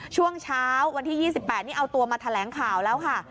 ช่วงเช้าวันที่๒๘นี่เอาตัวมาแถลงข่าวแล้วค่ะ